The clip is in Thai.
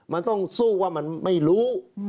มันต้องสู้ว่ามันไม่รู้